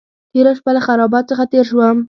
تېره شپه له خرابات څخه تېر شوم.